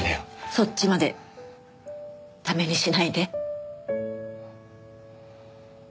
そっちまで駄目にしないで。